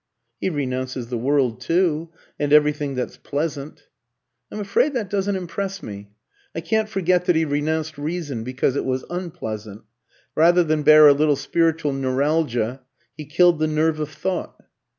"He renounces the world too and everything that's pleasant." "I'm afraid that doesn't impress me. I can't forget that he renounced reason because it was unpleasant. Rather than bear a little spiritual neuralgia, he killed the nerve of thought."